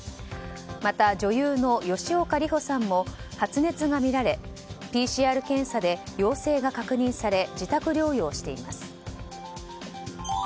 また、女優の吉岡里帆さんも発熱が見られＰＣＲ検査で陽性が確認され自宅療養しています。